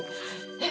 えっ！